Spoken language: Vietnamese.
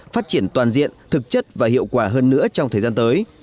phát triển toàn diện thực chất và hiệu quả hơn nữa trong thời gian tới